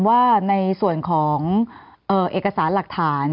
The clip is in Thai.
ว่าในส่วนของเอกสารหลักฐาน